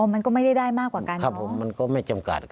มันก็ไม่ได้ได้มากกว่ากันครับผมมันก็ไม่จำกัด